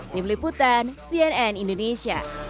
tim liputan cnn indonesia